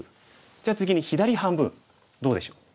じゃあ次に左半分どうでしょう？